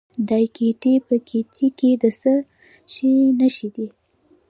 د دایکنډي په ګیتي کې د څه شي نښې دي؟